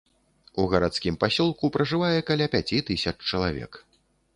У гарадскім пасёлку пражывае каля пяці тысяч чалавек.